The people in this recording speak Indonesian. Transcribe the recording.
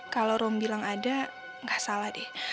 kalau rom bilang ada nggak salah deh